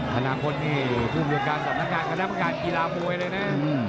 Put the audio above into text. ธนาคตที่ภูมิโดยการสำนักการกระดับการกีฬามวยเลยนะ